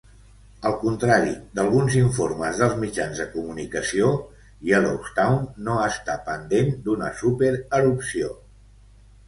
Al contrari d'alguns informes dels mitjans de comunicació, Yellowstone no està "pendent" d'una súper erupció.